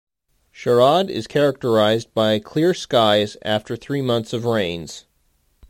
Sharad is characterized by clear skies, after three months of rains.